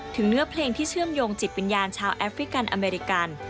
เนื้อเพลงที่เชื่อมโยงจิตวิญญาณชาวแอฟริกันอเมริกัน